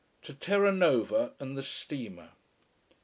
TO TERRANOVA AND THE STEAMER.